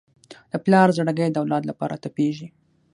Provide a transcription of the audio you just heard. د پلار زړګی د اولاد لپاره تپېږي.